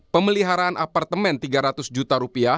pemeliharaan apartemen rp tiga ratus juta rupiah